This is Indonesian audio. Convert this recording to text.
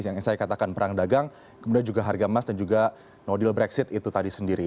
yang saya katakan perang dagang kemudian juga harga emas dan juga nodil brexit itu tadi sendiri